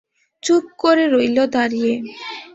চুপ করে রইল দাঁড়িয়ে।